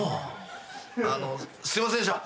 あのすいませんでした。